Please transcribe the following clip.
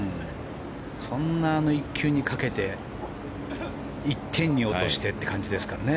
１球にかけて一点に落としてという感じですからね。